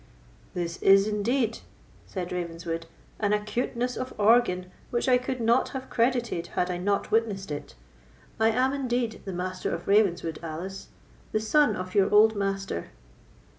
"This is indeed," said Ravenswood, "an acuteness of organ which I could not have credited had I not witnessed it. I am indeed the Master of Ravenswood, Alice,—the son of your old master."